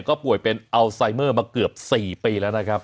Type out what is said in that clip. ก็ป่วยเป็นอัลไซเมอร์มาเกือบ๔ปีแล้วนะครับ